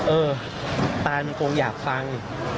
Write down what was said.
เออตานมันคงอยากฟัง